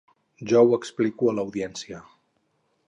Jo ho explico a l’audiència.